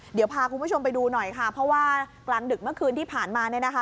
เดี๋ยวพาคุณผู้ชมไปดูหน่อยค่ะเพราะว่ากลางดึกเมื่อคืนที่ผ่านมาเนี่ยนะคะ